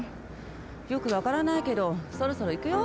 よくわからないけどそろそろいくよ。